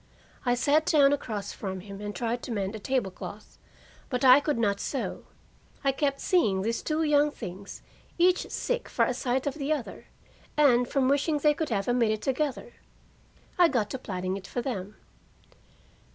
I sat down across from him and tried to mend a table cloth, but I could not sew. I kept seeing those two young things, each sick for a sight of the other, and, from wishing they could have a minute together, I got to planning it for them.